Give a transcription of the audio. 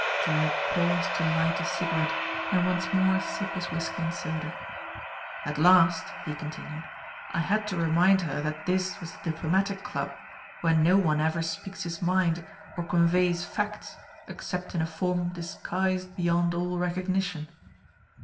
Drewitt paused to light a cigarette and once more up his whisky and soda. "At last," he continued, "I had to remind her that this was the Diplomatic Club, where no one ever speaks his mind or conveys facts except in a form disguised beyond all recognition.